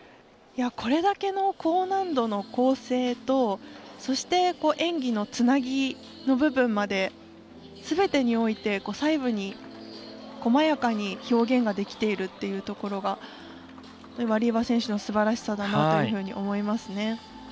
これだけの高難度の構成とそして、演技のつなぎの部分まですべてにおいて細部にこまやかに表現ができているっていうところがワリエワ選手のすばらしさだなというふうに思います。